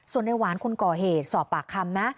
ส่วนในหวานคนก่อเหตุสอบปากคำนะ